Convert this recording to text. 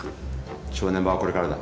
正念場はこれからだ。